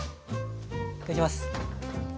いただきます。